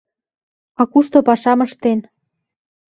— А кушто пашам ыштен?